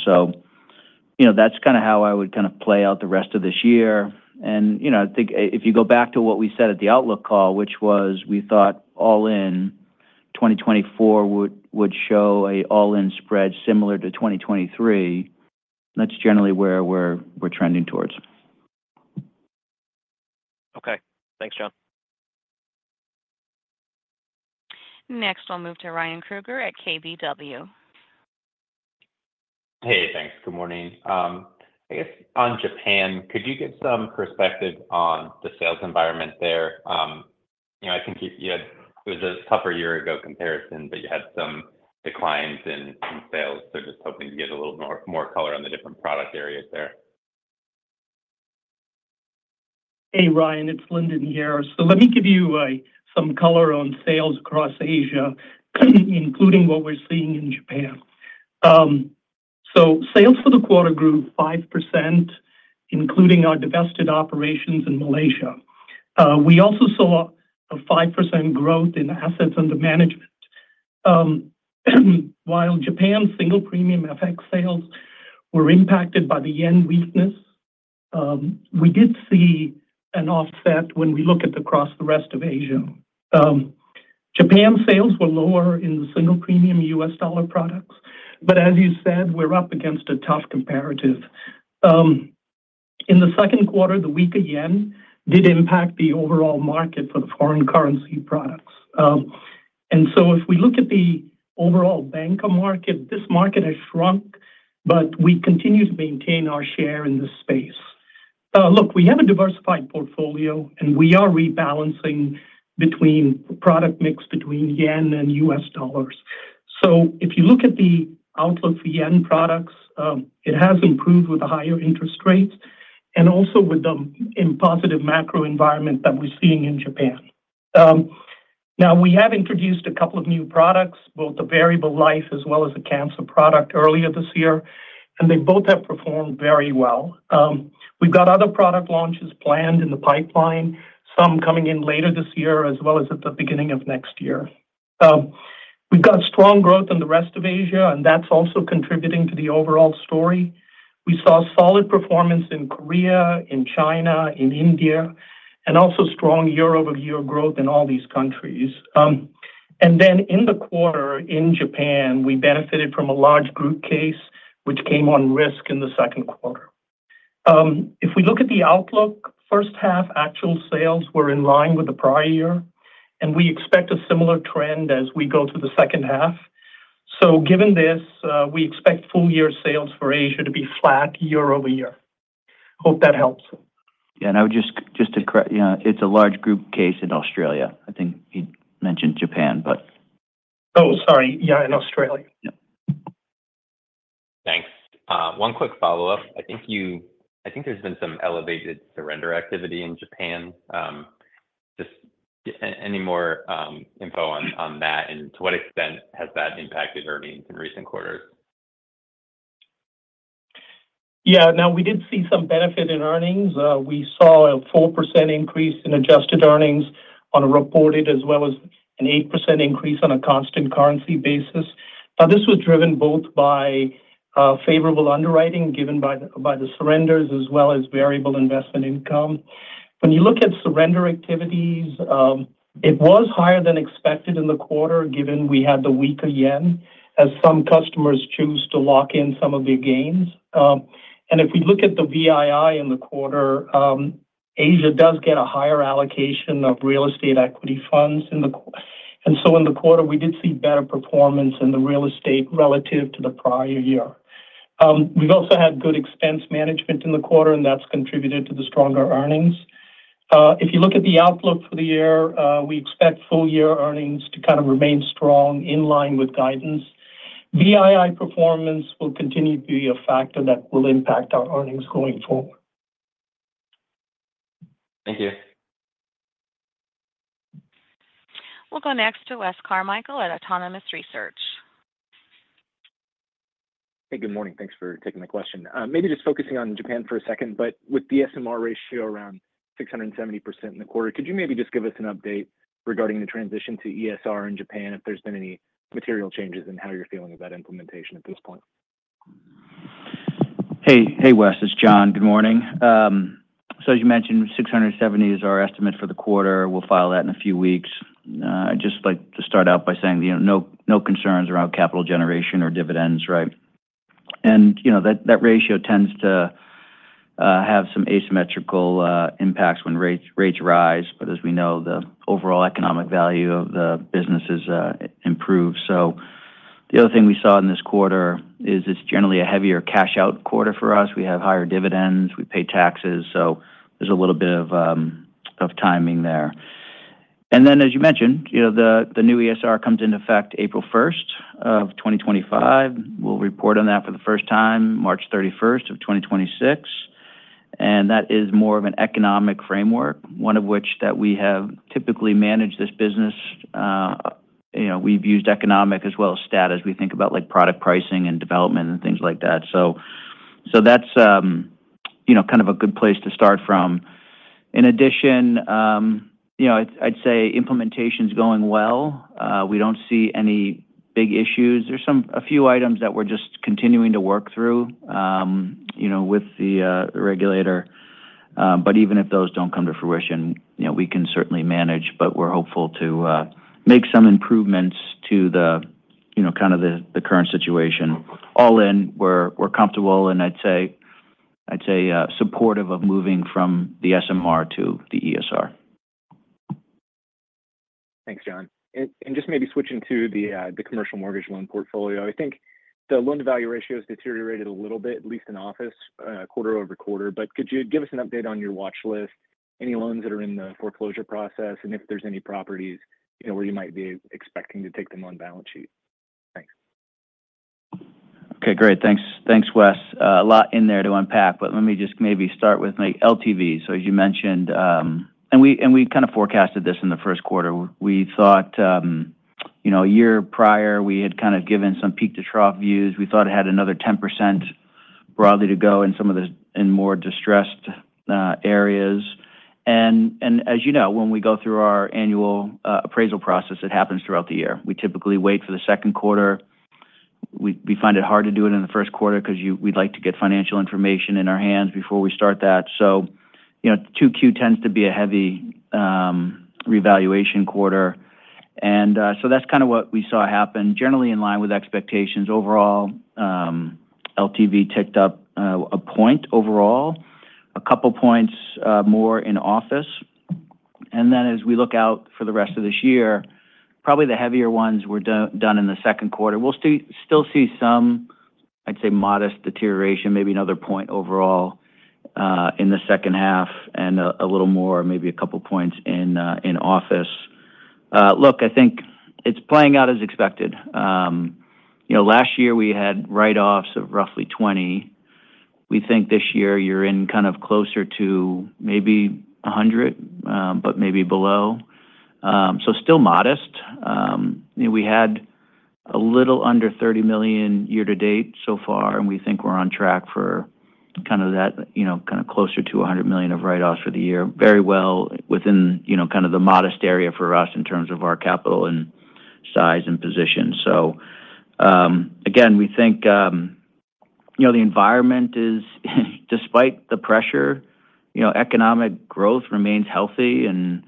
You know, that's kind of how I would kind of play out the rest of this year. You know, I think if you go back to what we said at the outlook call, which was we thought all in, 2024 would show an all-in spread similar to 2023, that's generally where we're trending towards. Okay. Thanks, John. Next, we'll move to Ryan Krueger at KBW. Hey, thanks. Good morning. I guess on Japan, could you give some perspective on the sales environment there? You know, I think you had... It was a tougher year ago comparison, but you had some declines in sales. So just hoping to get a little more color on the different product areas there. Hey, Ryan, it's Lyndon here. So let me give you some color on sales across Asia, including what we're seeing in Japan. So sales for the quarter grew 5%, including our divested operations in Malaysia. We also saw a 5% growth in assets under management. While Japan's single premium FX sales were impacted by the yen weakness, we did see an offset when we look at across the rest of Asia. Japan sales were lower in the single premium U.S. dollar products, but as you said, we're up against a tough comparative. In the second quarter, the weaker yen did impact the overall market for the foreign currency products. And so if we look at the overall banca market, this market has shrunk, but we continue to maintain our share in this space. Look, we have a diversified portfolio, and we are rebalancing between product mix between yen and U.S. dollars. So if you look at the outlook for yen products, it has improved with the higher interest rates and also with the positive macro environment that we're seeing in Japan. Now, we have introduced a couple of new products, both the Variable Life as well as the cancer product, earlier this year, and they both have performed very well. We've got other product launches planned in the pipeline, some coming in later this year, as well as at the beginning of next year. We've got strong growth in the rest of Asia, and that's also contributing to the overall story. We saw solid performance in Korea, in China, in India, and also strong year-over-year growth in all these countries. And then in the quarter in Japan, we benefited from a large group case which came on risk in the second quarter. If we look at the outlook, first half actual sales were in line with the prior year, and we expect a similar trend as we go through the second half. So given this, we expect full year sales for Asia to be flat year-over-year. Hope that helps. Yeah, and I would just to correct, yeah, it's a large group case in Australia. I think he mentioned Japan, but- Oh, sorry. Yeah, in Australia. Yep. Thanks. One quick follow-up. I think there's been some elevated surrender activity in Japan. Just any more info on that, and to what extent has that impacted earnings in recent quarters? Yeah. Now, we did see some benefit in earnings. We saw a 4% increase in adjusted earnings on a reported, as well as an 8% increase on a constant currency basis. Now, this was driven both by, favorable underwriting given by the surrenders, as well as Variable Investment Income. When you look at surrender activities, it was higher than expected in the quarter, given we had the weaker yen, as some customers choose to lock in some of their gains. And if we look at the VII in the quarter, Asia does get a higher allocation of real estate equity funds, and so in the quarter, we did see better performance in the real estate relative to the prior year. We've also had good expense management in the quarter, and that's contributed to the stronger earnings. If you look at the outlook for the year, we expect full year earnings to kind of remain strong in line with guidance. VII performance will continue to be a factor that will impact our earnings going forward. Thank you. We'll go next to Wes Carmichael at Autonomous Research. Hey, good morning. Thanks for taking the question. Maybe just focusing on Japan for a second, but with the SMR ratio around 670% in the quarter, could you maybe just give us an update regarding the transition to ESR in Japan, if there's been any material changes, and how you're feeling about implementation at this point? Hey, hey, Wes, it's John. Good morning. So as you mentioned, 670 is our estimate for the quarter. We'll file that in a few weeks. I'd just like to start out by saying, you know, no, no concerns around capital generation or dividends, right? And, you know, that, that ratio tends to have some asymmetrical impacts when rates, rates rise. But as we know, the overall economic value of the business is improved. So the other thing we saw in this quarter is it's generally a heavier cash out quarter for us. We have higher dividends, we pay taxes, so there's a little bit of timing there. And then, as you mentioned, you know, the, the new ESR comes into effect April 1st of 2025. We'll report on that for the first time, March 31st, 2026, and that is more of an economic framework, one of which that we have typically managed this business. You know, we've used economic as well as statutory. We think about, like, product pricing and development and things like that. So that's, you know, kind of a good place to start from. In addition, you know, I'd say implementation's going well. We don't see any big issues. There's a few items that we're just continuing to work through, you know, with the regulator. But even if those don't come to fruition, you know, we can certainly manage, but we're hopeful to make some improvements to the current situation. All in, we're comfortable, and I'd say supportive of moving from the SMR to the ESR. Thanks, John. And just maybe switching to the commercial mortgage loan portfolio, I think the loan-to-value ratio has deteriorated a little bit, at least in office, quarter-over-quarter. But could you give us an update on your watch list, any loans that are in the foreclosure process, and if there's any properties, you know, where you might be expecting to take them on balance sheet? Thanks. Okay, great. Thanks. Thanks, Wes. A lot in there to unpack, but let me just maybe start with LTV. So as you mentioned, and we, and we kind of forecasted this in the first quarter. We thought, you know, a year prior, we had kind of given some peak-to-trough views. We thought it had another 10% broadly to go in some of the, in more distressed, areas. And, and as you know, when we go through our annual, appraisal process, it happens throughout the year. We typically wait for the second quarter. We, we find it hard to do it in the first quarter 'cause you-- we'd like to get financial information in our hands before we start that. So, you know, 2Q tends to be a heavy revaluation quarter, and so that's kind of what we saw happen, generally in line with expectations. Overall, LTV ticked up a point overall, a couple points more in office. And then as we look out for the rest of this year, probably the heavier ones were done in the second quarter. We'll still see some, I'd say, modest deterioration, maybe another point overall in the second half and a little more, maybe a couple points in office. Look, I think it's playing out as expected. You know, last year we had write-offs of roughly 20. We think this year you're in kind of closer to maybe 100, but maybe below. So still modest. We had a little under $30 million year to date so far, and we think we're on track for kind of that, you know, kind of closer to $100 million of write-offs for the year. Very well within, you know, kind of the modest area for us in terms of our capital and size and position. So, again, we think, you know, the environment is, despite the pressure, you know, economic growth remains healthy, and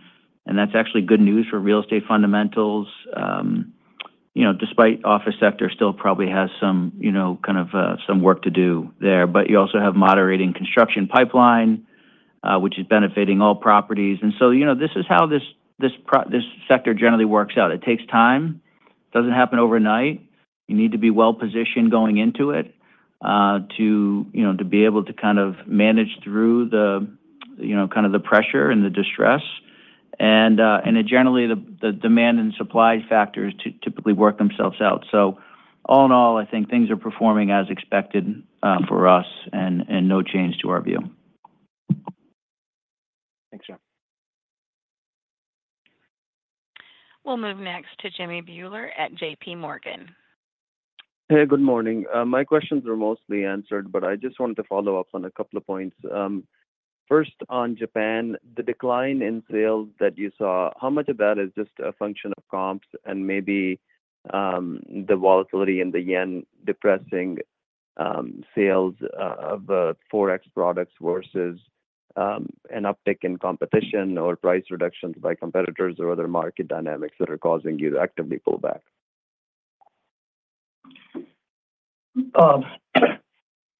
that's actually good news for real estate fundamentals. You know, despite office sector still probably has some, you know, kind of, some work to do there, but you also have moderating construction pipeline, which is benefiting all properties. And so, you know, this is how this sector generally works out. It takes time. Doesn't happen overnight. You need to be well-positioned going into it to you know to be able to kind of manage through the you know kind of the pressure and the distress. And generally the demand and supply factors typically work themselves out. So all in all, I think things are performing as expected for us, and no change to our view. Thanks, John. We'll move next to Jimmy Bhullar at JP Morgan. Hey, good morning. My questions are mostly answered, but I just wanted to follow up on a couple of points. First, on Japan, the decline in sales that you saw, how much of that is just a function of comps and maybe the volatility in the yen depressing sales of Forex products versus an uptick in competition or price reductions by competitors or other market dynamics that are causing you to actively pull back?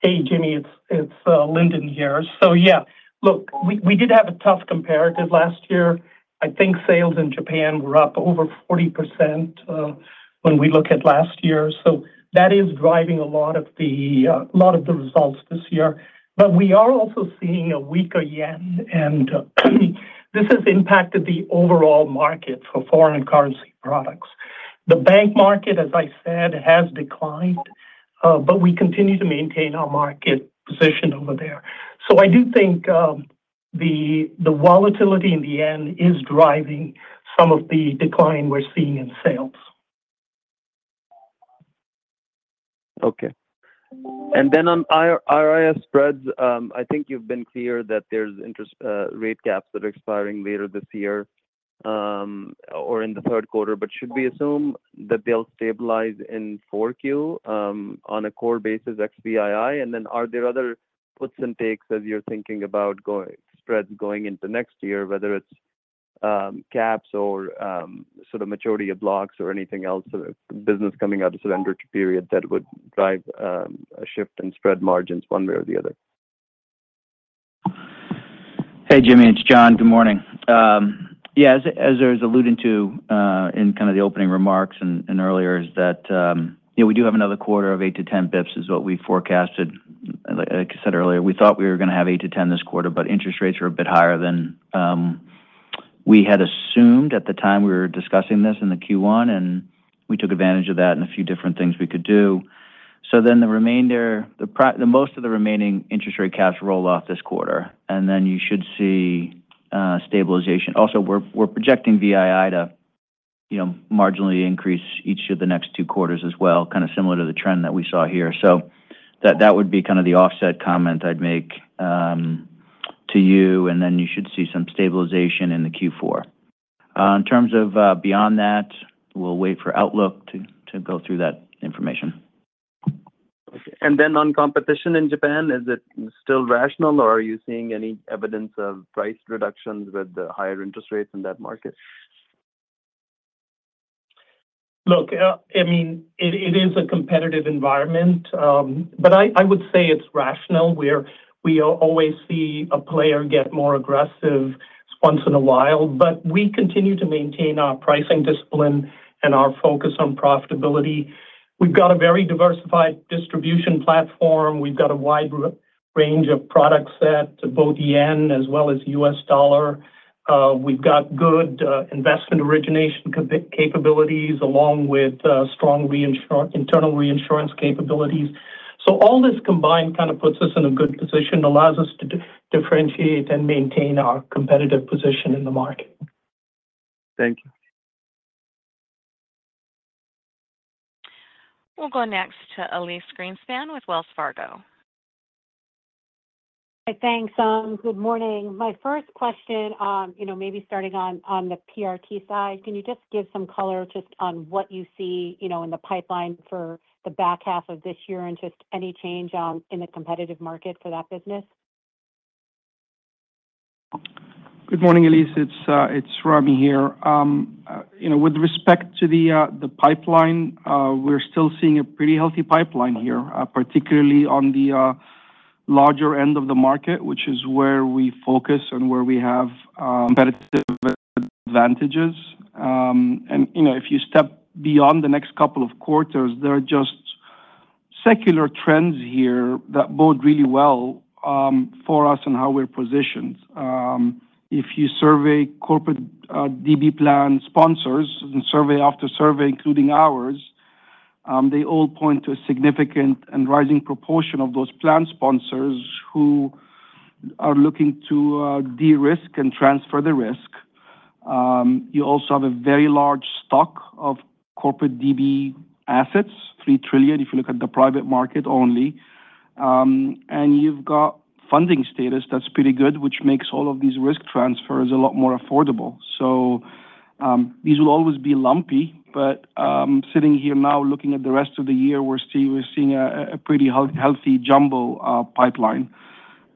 Hey, Jimmy, it's Lyndon here. So yeah, look, we did have a tough comparative last year. I think sales in Japan were up over 40% when we look at last year. So that is driving a lot of the results this year. But we are also seeing a weaker yen, and this has impacted the overall market for foreign currency products. The bank market, as I said, has declined, but we continue to maintain our market position over there. So I do think the volatility in the yen is driving some of the decline we're seeing in sales. Okay. And then on RIS spreads, I think you've been clear that there's interest rate caps that are expiring later this year, or in the third quarter. But should we assume that they'll stabilize in 4Q, on a core basis, VII? And then are there other puts and takes as you're thinking about going spreads going into next year, whether it's caps or sort of maturity of blocks or anything else, sort of business coming out of surrender period that would drive a shift in spread margins one way or the other? Hey, Jimmy, it's John. Good morning. Yeah, as I was alluding to in kind of the opening remarks and earlier, is that you know, we do have another quarter of 8 basis points-10 basis points, is what we forecasted. Like I said earlier, we thought we were going to have 8-10 this quarter, but interest rates were a bit higher than we had assumed at the time we were discussing this in the Q1, and we took advantage of that in a few different things we could do. So then the remainder, the most of the remaining interest rate caps roll off this quarter, and then you should see stabilization. Also, we're projecting VII to you know, marginally increase each of the next two quarters as well, kind of similar to the trend that we saw here. So that, that would be kind of the offset comment I'd make, to you, and then you should see some stabilization in the Q4. In terms of, beyond that, we'll wait for outlook to go through that information. Okay. And then on competition in Japan, is it still rational, or are you seeing any evidence of price reductions with the higher interest rates in that market? Look, I mean, it is a competitive environment, but I would say it's rational, where we always see a player get more aggressive once in a while. But we continue to maintain our pricing discipline and our focus on profitability. We've got a very diversified distribution platform. We've got a wide range of products at both yen as well as U.S. dollar. We've got good investment origination capabilities, along with strong internal reinsurance capabilities. So all this combined kind of puts us in a good position, allows us to differentiate and maintain our competitive position in the market. Thank you. We'll go next to Elyse Greenspan with Wells Fargo. Thanks. Good morning. My first question, you know, maybe starting on, on the PRT side, can you just give some color just on what you see, you know, in the pipeline for the back half of this year and just any change in the competitive market for that business? Good morning, Elyse. It's, it's Ramy here. You know, with respect to the pipeline, we're still seeing a pretty healthy pipeline here, particularly on the larger end of the market, which is where we focus and where we have, competitive advantages. And, you know, if you step beyond the next couple of quarters, there are just secular trends here that bode really well, for us and how we're positioned. If you survey corporate, DB plan sponsors in survey after survey, including ours, they all point to a significant and rising proportion of those plan sponsors who-... are looking to de-risk and transfer the risk. You also have a very large stock of corporate DB assets, $3 trillion, if you look at the private market only. And you've got funding status that's pretty good, which makes all of these risk transfers a lot more affordable. So, these will always be lumpy, but sitting here now, looking at the rest of the year, we're seeing a pretty healthy pipeline.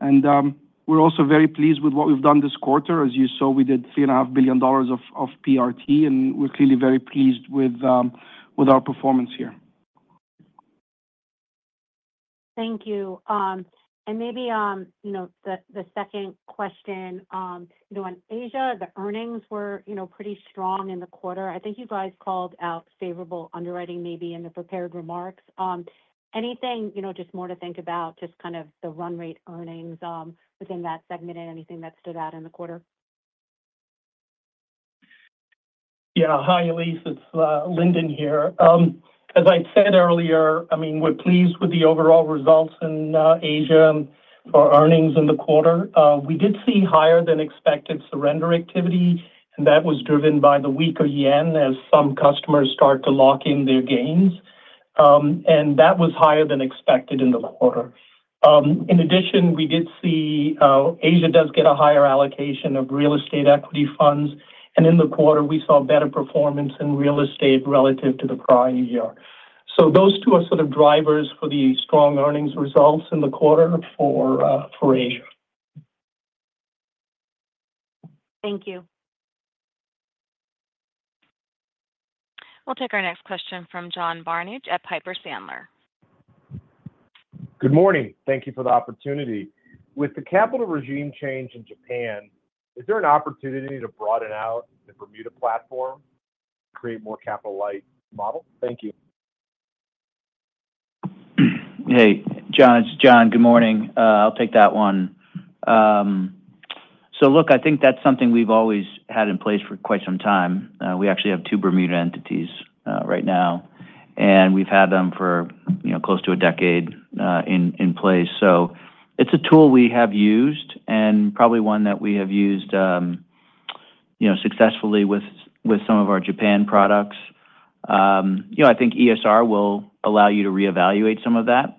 And we're also very pleased with what we've done this quarter. As you saw, we did $3.5 billion of PRT, and we're clearly very pleased with our performance here. Thank you. And maybe, you know, the second question, you know, on Asia, the earnings were, you know, pretty strong in the quarter. I think you guys called out favorable underwriting, maybe in the prepared remarks. Anything, you know, just more to think about, just kind of the run rate earnings, within that segment and anything that stood out in the quarter? Yeah. Hi, Elyse, it's Lyndon here. As I said earlier, I mean, we're pleased with the overall results in Asia for earnings in the quarter. We did see higher than expected surrender activity, and that was driven by the weaker yen as some customers start to lock in their gains. And that was higher than expected in the quarter. In addition, Asia does get a higher allocation of real estate equity funds, and in the quarter, we saw better performance in real estate relative to the prior year. So those two are sort of drivers for the strong earnings results in the quarter for Asia. Thank you. We'll take our next question from John Barnidge at Piper Sandler. Good morning. Thank you for the opportunity. With the capital regime change in Japan, is there an opportunity to broaden out the Bermuda platform, create more capital light model? Thank you. Hey, John, it's John. Good morning. I'll take that one. So look, I think that's something we've always had in place for quite some time. We actually have two Bermuda entities, right now, and we've had them for, you know, close to a decade, in place. So it's a tool we have used, and probably one that we have used, you know, successfully with some of our Japan products. You know, I think ESR will allow you to reevaluate some of that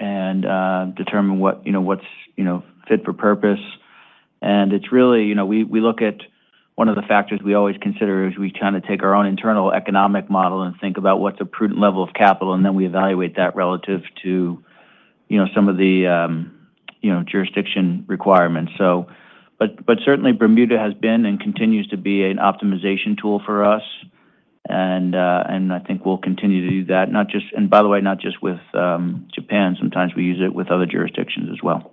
and determine what, you know, what's, you know, fit for purpose. And it's really, you know... We look at one of the factors we always consider is we try to take our own internal economic model and think about what's a prudent level of capital, and then we evaluate that relative to, you know, some of the, you know, jurisdiction requirements. So, but certainly Bermuda has been and continues to be an optimization tool for us, and, and I think we'll continue to do that, not just, and by the way, not just with Japan. Sometimes we use it with other jurisdictions as well.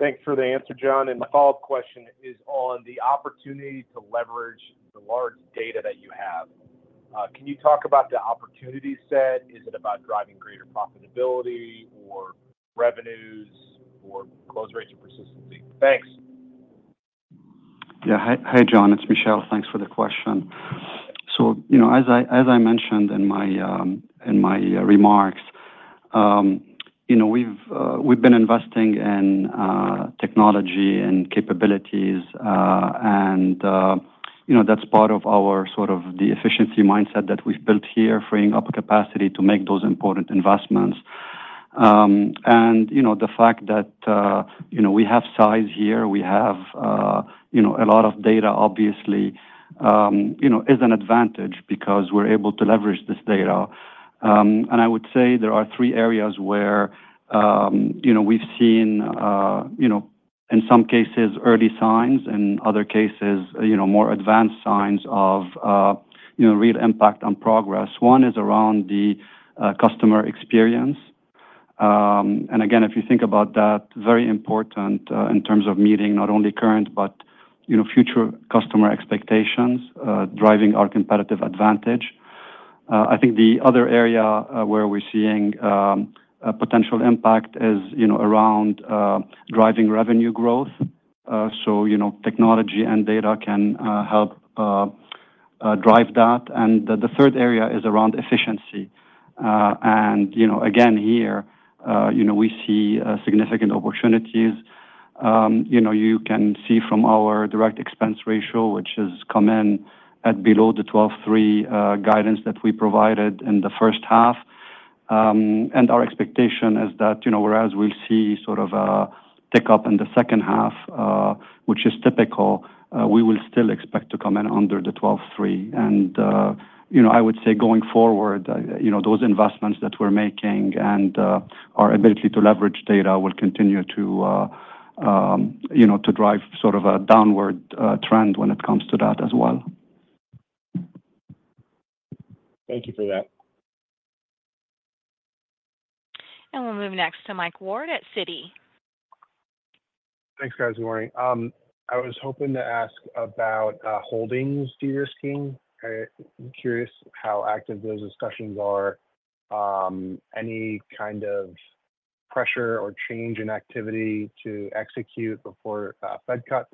Thanks for the answer, John, and my follow-up question is on the opportunity to leverage the large data that you have. Can you talk about the opportunity set? Is it about driving greater profitability or revenues or close rates or persistency? Thanks. Yeah. Hi, hi, John, it's Michel. Thanks for the question. So, you know, as I mentioned in my remarks, you know, we've been investing in technology and capabilities, and, you know, that's part of our sort of the efficiency mindset that we've built here, freeing up capacity to make those important investments. And, you know, the fact that, you know, we have size here, we have, you know, a lot of data obviously, you know, is an advantage because we're able to leverage this data. And I would say there are three areas where, you know, we've seen, you know, in some cases, early signs, and other cases, you know, more advanced signs of, you know, real impact on progress. One is around the customer experience. And again, if you think about that, very important, in terms of meeting not only current, but, you know, future customer expectations, driving our competitive advantage. I think the other area, where we're seeing, a potential impact is, you know, around, driving revenue growth. So, you know, technology and data can, drive that. And the third area is around efficiency. And, you know, again, here, you know, we see, significant opportunities. You know, you can see from our direct expense ratio, which has come in at below the 12.3 guidance that we provided in the first half. And our expectation is that, you know, whereas we'll see sort of a pick-up in the second half, which is typical, we will still expect to come in under the 12.3. And, you know, I would say going forward, you know, those investments that we're making and our ability to leverage data will continue to, you know, to drive sort of a downward trend when it comes to that as well. Thank you for that. We'll move next to Mike Ward at Citi. Thanks, guys. Good morning. I was hoping to ask about Holdings too your team. I'm curious how active those discussions are. Any kind of pressure or change in activity to execute before Fed cuts,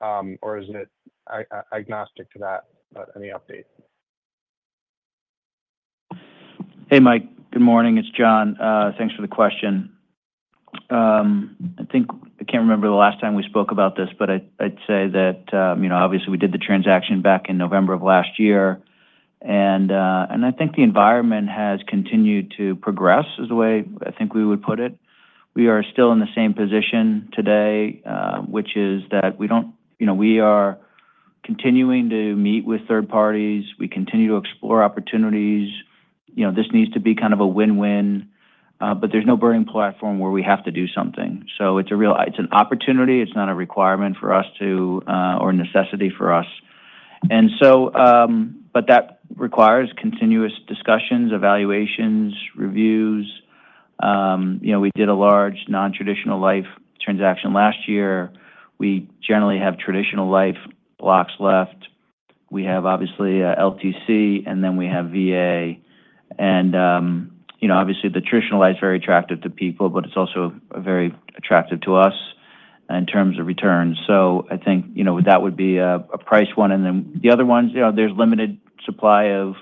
or isn't it agnostic to that? Any update? Hey, Mike, good morning, it's John. Thanks for the question. I think I can't remember the last time we spoke about this, but I'd say that, you know, obviously we did the transaction back in November of last year, and I think the environment has continued to progress, is the way I think we would put it. We are still in the same position today, which is that we don't. You know, we are continuing to meet with third parties. We continue to explore opportunities. You know, this needs to be kind of a win-win, but there's no burning platform where we have to do something. So it's a real opportunity. It's not a requirement for us to, or a necessity for us. And so, but that requires continuous discussions, evaluations, reviews. You know, we did a large nontraditional life transaction last year. We generally have traditional life blocks left. We have, obviously, LTC, and then we have VA. And, you know, obviously, the traditional life is very attractive to people, but it's also very attractive to us in terms of returns. So I think, you know, that would be a price one. And then the other ones, you know, there's limited supply of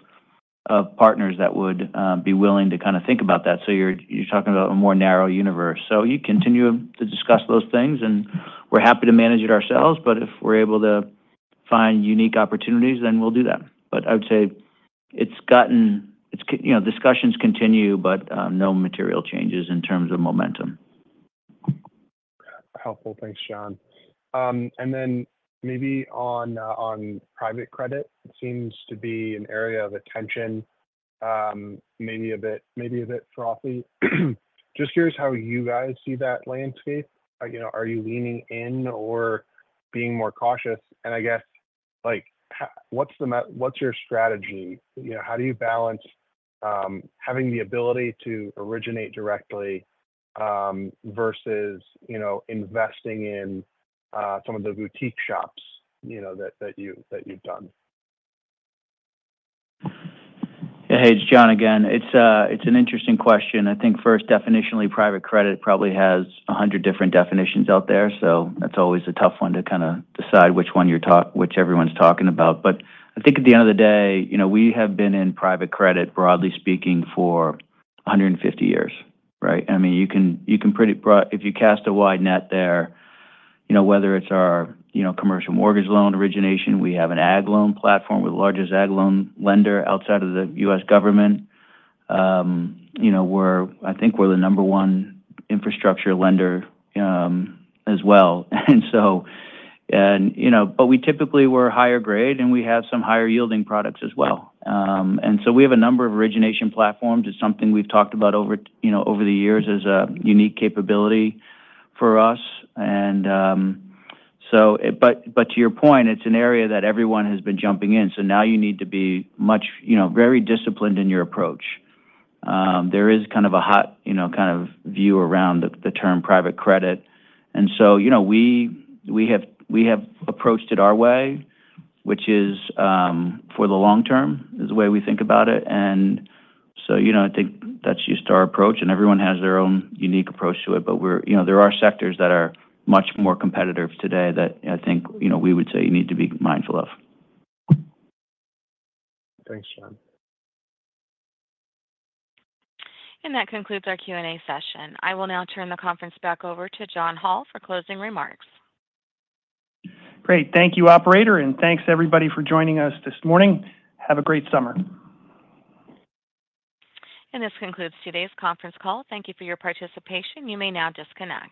partners that would be willing to kinda think about that, so you're talking about a more narrow universe. So you continue to discuss those things, and we're happy to manage it ourselves, but if we're able to find unique opportunities, then we'll do that. But I would say it's gotten... It's, you know, discussions continue, but no material changes in terms of momentum. Helpful. Thanks, John. And then maybe on private credit, it seems to be an area of attention, maybe a bit frothy. Just curious how you guys see that landscape. You know, are you leaning in or being more cautious? And I guess, like, what's your strategy? You know, how do you balance having the ability to originate directly versus investing in some of the boutique shops, you know, that you've done? Hey, it's John again. It's an interesting question. I think first, definitionally, private credit probably has 100 different definitions out there, so that's always a tough one to kinda decide which one you're talk- which everyone's talking about. But I think at the end of the day, you know, we have been in private credit, broadly speaking, for 150 years, right? I mean, if you cast a wide net there, you know, whether it's our, you know, commercial mortgage loan origination, we have an ag loan platform. We're the largest ag loan lender outside of the U.S. government. You know, we're, I think we're the number one infrastructure lender, as well. And, you know, but we typically we're higher grade, and we have some higher-yielding products as well. And so we have a number of origination platforms. It's something we've talked about over, you know, over the years as a unique capability for us. But to your point, it's an area that everyone has been jumping in, so now you need to be much, you know, very disciplined in your approach. There is kind of a hot, you know, kind of view around the term private credit, and so, you know, we have approached it our way, which is for the long term, is the way we think about it. And so, you know, I think that's just our approach, and everyone has their own unique approach to it. You know, there are sectors that are much more competitive today that I think, you know, we would say you need to be mindful of. Thanks, John. That concludes our Q&A session. I will now turn the conference back over to John Hall for closing remarks. Great. Thank you, operator, and thanks, everybody, for joining us this morning. Have a great summer. This concludes today's conference call. Thank you for your participation. You may now disconnect.